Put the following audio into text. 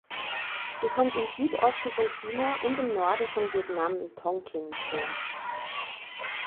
Sie kommt im Südosten von China und im Norden von Vietnam (Tonkin) vor.